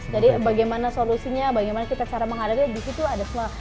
jadi bagaimana solusinya bagaimana kita cara mengadanya di situ ada semua